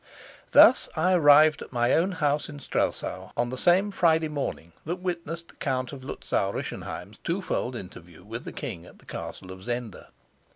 Thus I arrived at my own house in Strelsau on the same Friday morning that witnessed the Count of Luzau Rischenheim's two fold interview with the king at the Castle of Zenda.